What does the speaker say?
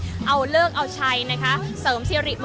อาจจะออกมาใช้สิทธิ์กันแล้วก็จะอยู่ยาวถึงในข้ามคืนนี้เลยนะคะ